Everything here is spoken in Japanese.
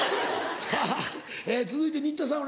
さぁ続いて新田さん